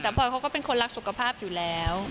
แต่บอยเขาก็เป็นคนรักสุขภาพอยู่แล้ว